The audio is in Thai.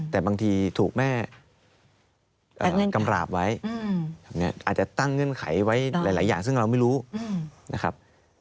แต่บางทีถูกแม่กำราบไว้อาจจะตั้งเงื่อนไขไว้หลายอย่างซึ่งเราไม่รู้นะครับ